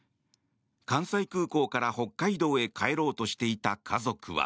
関西空港から北海道へ帰ろうとしていた家族は。